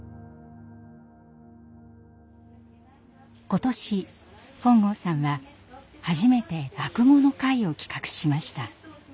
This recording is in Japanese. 今年本郷さんは初めて落語の会を企画しました。